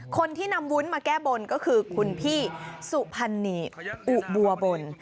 คนที่นำวุ้นมาแก้บนก็คือคุณพี่สุพรรณีอุบัวบล